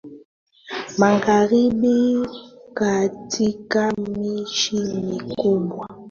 magharibi Katika miji mikubwa watu kukaa kwa